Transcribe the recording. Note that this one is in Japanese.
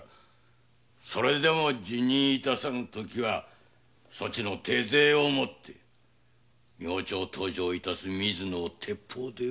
それでも辞任致さぬときはそちの手勢をもって明朝登城致す水野を鉄砲で撃て。